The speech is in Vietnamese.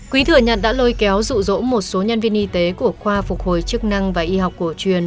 quý thừa nhận đã lôi kéo rụ rỗ một số nhân viên y tế của khoa phục hồi chức năng và y học cổ truyền